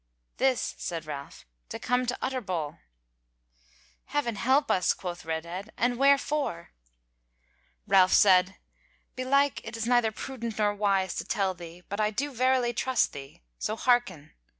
"This," said Ralph, "to come to Utterbol." "Heaven help us!" quoth Redhead, "and wherefore?" Ralph said: "Belike it is neither prudent nor wise to tell thee, but I do verily trust thee; so hearken!